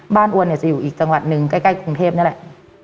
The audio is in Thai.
บ้านอวลจะอยู่อีกจังหวัดนึงใกล้กรุงเทพเนี่ยแหละ